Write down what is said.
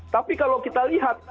tapi kalau kita lihat